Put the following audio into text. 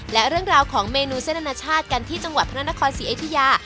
และเรื่องราวของเมนูเส้นอนาชาติกันที่จังหวัดพระนครศรีอยุธยา